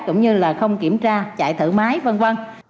cũng như là không kiểm tra chạy thử máy v v